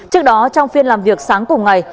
trước đó trong phiên làm việc sáng cùng ngày